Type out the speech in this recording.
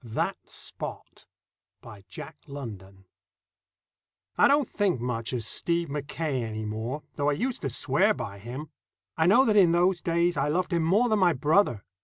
That Spot By Jack London I DON'T think much of Stephen Mackaye any more, though I used to swear by him. I know that in those days I loved him more than my brother.